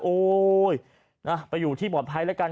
โอ๊ยไปอยู่ที่บอทไทยแล้วกัน